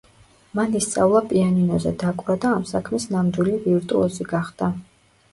მან ისწავლა პიანინოზე დაკვრა და ამ საქმის ნამდვილი ვირტუოზი გახდა.